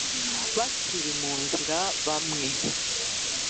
Bakiri mu nzira bamwe